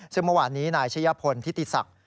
ซึ่งมวันนี้นายเชยพลทิติศักดิ์